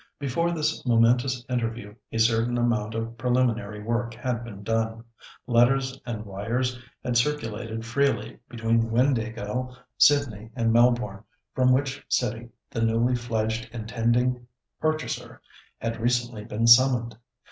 Before this momentous interview a certain amount of preliminary work had been done. Letters and 'wires' had circulated freely between Windāhgil, Sydney and Melbourne, from which city the newly fledged intending purchaser had recently been summoned.